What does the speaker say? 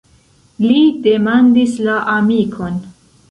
Li demandis la amikon.